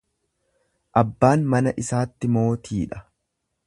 Abbaan mana isaatti mootiidha.